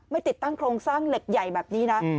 ติดตั้งโครงสร้างเหล็กใหญ่แบบนี้นะ